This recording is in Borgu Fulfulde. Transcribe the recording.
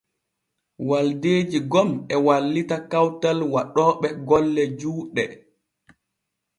Waldeeji gom e wallita kawtal waɗooɓe golle juuɗe.